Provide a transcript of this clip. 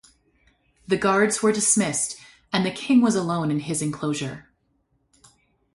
The guards were dismissed and the king was alone in his enclosure.